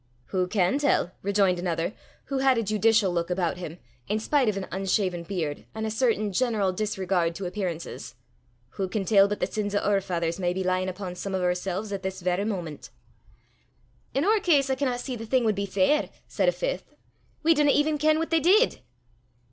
"Wha can tell," rejoined another, who had a judicial look about him, in spite of an unshaven beard, and a certain general disregard to appearances, "wha can tell but the sins o' oor faithers may be lyin' upo' some o' oorsel's at this varra moment?" "In oor case, I canna see the thing wad be fair," said a fifth: "we dinna even ken what they did!"